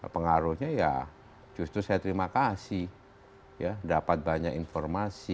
pengaruhnya ya justru saya terima kasih ya dapat banyak informasi